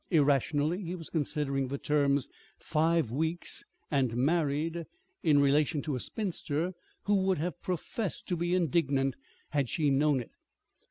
Irrationally he was considering the terms "five weeks" and "married" in relation to a spinster who would have professed to be indignant had she known it.